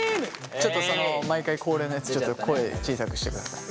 ちょっとその毎回恒例のやつちょっと声小さくしてください。